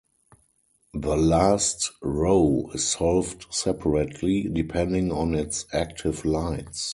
The last row is solved separately, depending on its active lights.